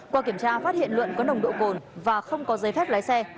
qua kiểm tra phát hiện luận có nồng độ cồn và không có giấy phép lái xe